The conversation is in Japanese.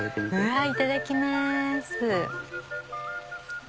うわいただきます。